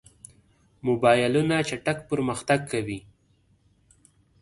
موبایلونه چټک پرمختګ کوي.